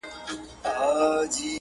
ازبکان د سواره پوځ مشران